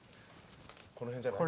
この辺じゃない？